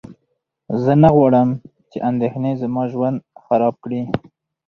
زه نه غواړم چې اندېښنې زما ژوند خراب کړي.